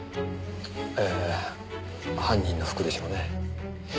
ええ犯人の服でしょうね。